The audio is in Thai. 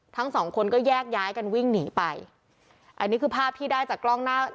ทั้งสองคนก็แยกย้ายกันวิ่งหนีไปอันนี้คือภาพที่ได้จากกล้องหน้า